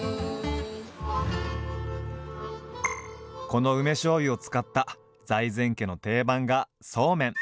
この梅しょうゆを使った財前家の定番がそうめん。